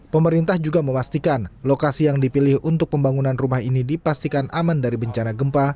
pemerintah juga memastikan lokasi yang dipilih untuk pembangunan rumah ini dipastikan aman dari bencana gempa